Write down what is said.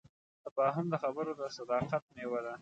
تفاهم د خبرو د صداقت میوه ده.